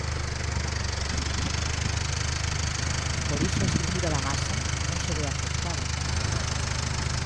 Por iso a estrutura da masa non se ve afectada.